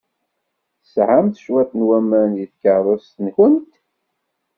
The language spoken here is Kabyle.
Tesɛamt cwiṭ n waman deg tkeṛṛust-nkent?